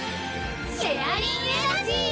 シェアリンエナジー！